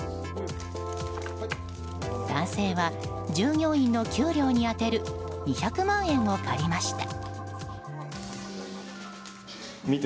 男性は従業員の給料に充てる２００万円を借りました。